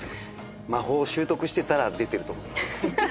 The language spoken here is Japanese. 魔法を習得してたら出てると思います